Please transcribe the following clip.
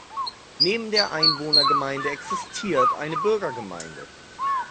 Neben der Einwohnergemeinde existiert eine Burgergemeinde.